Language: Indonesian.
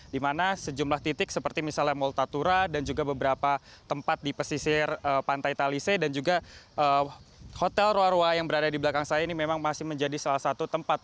di mana sejumlah titik seperti misalnya multatura dan juga beberapa tempat di pesisir pantai talise dan juga hotel roa roa yang berada di belakang saya ini memang masih menjadi salah satu tempat